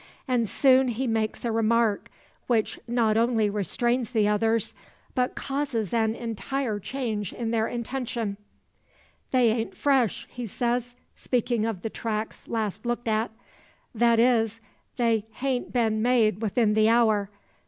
And soon he makes a remark, which not only restrains the others, but causes an entire change in their intention. "They aint fresh," he says, speaking of the tracks last looked at. "Thet is, they hain't been made 'ithin the hour.